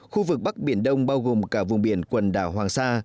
khu vực bắc biển đông bao gồm cả vùng biển quần đảo hoàng sa